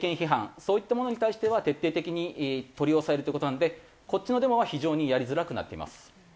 そういったものに対しては徹底的に取り押さえるって事なのでこっちのデモは非常にやりづらくなっています。